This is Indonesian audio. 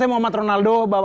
saya kang friends fahri